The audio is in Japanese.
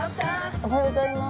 おはようございます。